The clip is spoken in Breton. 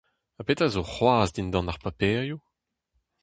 Ha petra zo c'hoazh dindan ar paperioù ?